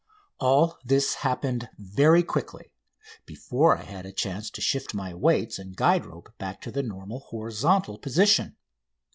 All this happened very quickly before I had a chance to shift my weights and guide rope back to the normal horizontal positions.